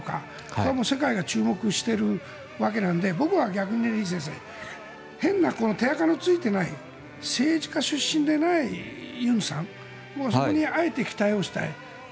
これは世界が注目しているわけなので僕は逆に李先生変な手あかのついていない政治家出身ではない尹さんに期待をしたい。